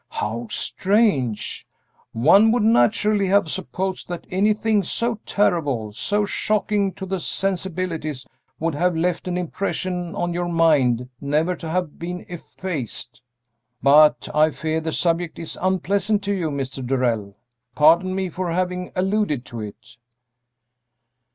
"How strange! One would naturally have supposed that anything so terrible, so shocking to the sensibilities, would have left an impression on your mind never to have been effaced! But I fear the subject is unpleasant to you, Mr. Darrell; pardon me for having alluded to it."